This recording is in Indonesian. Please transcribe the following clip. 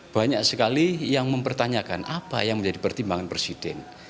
banyak sekali yang mempertanyakan apa yang menjadi pertimbangan presiden